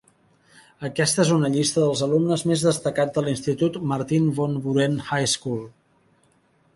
Aquesta és una llista dels alumnes més destacats de l'institut Martin Van Buren High School.